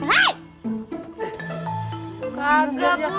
lihat pakai mata